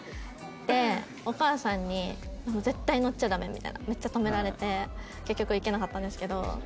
でお母さんに「絶対乗っちゃダメ」みたいなめっちゃ止められて結局行けなかったんですけど。